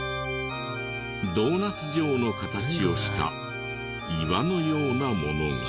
ドーナツ状の形をした岩のようなものが。